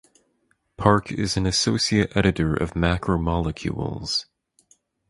Park is an associate editor of Macromolecules.